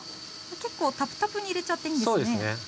結構たぷたぷに入れちゃっていいんですね。